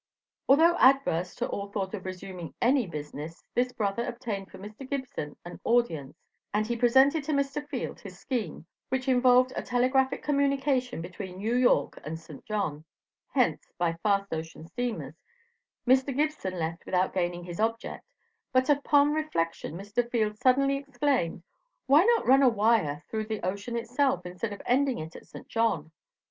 Although adverse to all thought of resuming any business this brother obtained for Mr. Gibson an audience, and he presented to Mr. Field his scheme which involved a telegraphic communication between New York and St. John; hence, by fast ocean steamers, Mr. Gibson left without gaining his object, but upon reflection Mr. Field suddenly exclaimed: "Why not run a wire through the ocean itself, instead of ending it at St. John?"